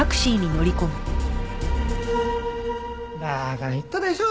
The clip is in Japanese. だから言ったでしょ！